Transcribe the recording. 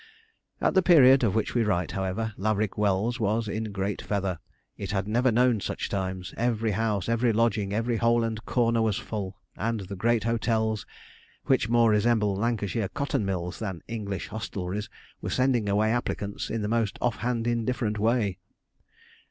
At the period of which we write, however, 'Laverick Wells' was in great feather it had never known such times. Every house, every lodging, every hole and corner was full, and the great hotels, which more resemble Lancashire cotton mills than English hostelries, were sending away applicants in the most offhand, indifferent way.